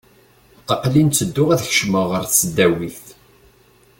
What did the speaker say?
Aqel-in ttedduɣ ad kecmeɣ ɣer tesdawit.